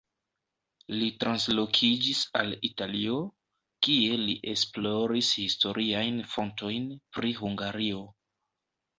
Li translokiĝis al Italio, kie li esploris historiajn fontojn pri Hungario.